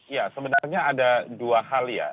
ya sebenarnya ada dua hal ya